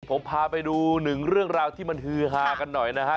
ผมพาไปดูหนึ่งเรื่องราวที่มันฮือฮากันหน่อยนะฮะ